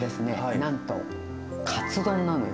なんとカツ丼なのよ。